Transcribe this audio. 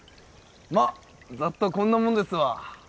まあざっとこんなもんですわ！